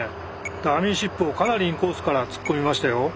ダミーシップをかなりインコースから突っ込みましたよ。